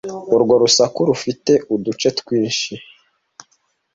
urwo rusaku rufite uduce twinshi